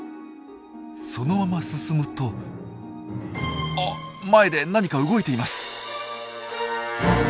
そのまま進むとあっ前で何か動いています！